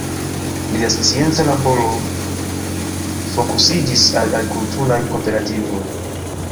Lia scienca laboro fokusiĝis al agrikulturaj kooperativoj.